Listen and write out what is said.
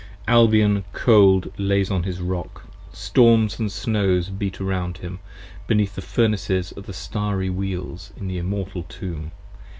p. 94 ALBION cold lays on his Rock: storms & snows beat round him, Beneath the Furnaces & the starry Wheels & the Immortal Tomb.